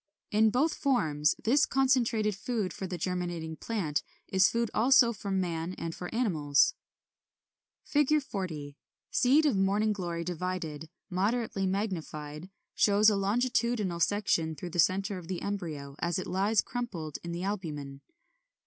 In both forms this concentrated food for the germinating plant is food also for man and for animals. [Illustration: Fig. 40. Seed of Morning Glory divided, moderately magnified; shows a longitudinal section through the centre of the embryo as it lies crumpled in the albumen.